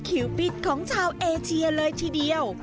คิวปิดของชาวเอเชียเลยทีเดียว